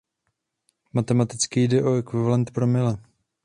Matematicky jde o ekvivalent promile.